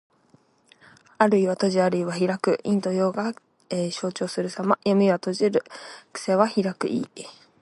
あるいは閉じ、あるいは開く。陰と陽が消長するさま。「闔」は閉じる。「闢」は開く意。